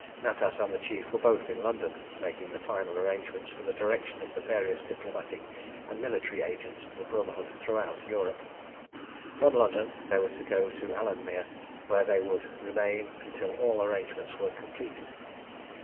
Natas and the Chief were both in London, making the final arrangements for the direction of the various diplomatic and military agents of the Brotherhood throughout Europe. From London they were to go to Alanmere, where they would remain until all arrangements were completed.